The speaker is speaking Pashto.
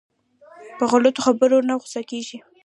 په غلطو خبرو نه غوسه کېږي.